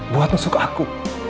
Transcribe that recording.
buatmu suka aku